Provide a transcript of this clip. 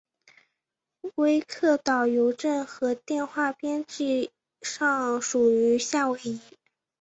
威克岛邮政和电话编制上属于夏威夷。